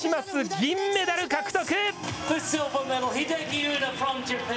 銀メダル獲得。